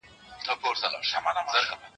ځناور يې له لكيو بېرېدله